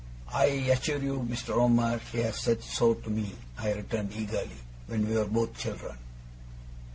'I assure you, Mr. Omer, she has said so to me,' I returned eagerly, 'when we were both children.